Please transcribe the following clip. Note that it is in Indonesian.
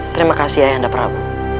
terima kasih ayah anda prabu